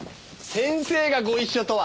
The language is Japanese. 先生がご一緒とは。